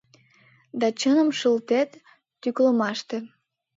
Да чыным шылтет тӱкылымаште.